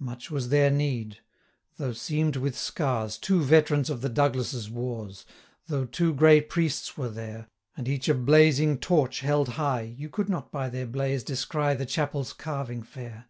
Much was there need; though seam'd with scars, Two veterans of the Douglas' wars, 320 Though two grey priests were there, And each a blazing torch held high, You could not by their blaze descry The chapel's carving fair.